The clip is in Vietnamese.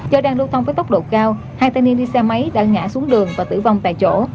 do đang lưu thông với tốc độ cao hai thanh niên đi xe máy đã ngã xuống đường và tử vong tại chỗ